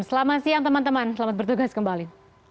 selamat siang teman teman selamat bertugas kembali